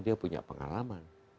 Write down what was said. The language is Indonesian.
dia punya pengalaman